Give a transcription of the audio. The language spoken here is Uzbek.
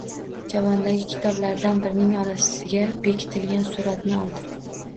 Javondagi kitoblardan birining orasiga berkitilgan suratni oldi